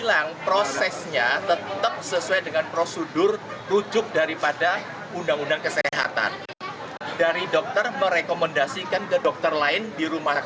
karena beliau sendiri nggak bisa ngomong mau komunikasi apa